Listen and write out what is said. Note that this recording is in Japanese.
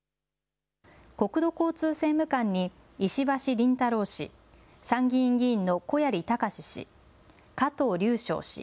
国土交通政務官に石橋林太郎氏、参議院議員の小鑓隆史氏、加藤竜祥氏。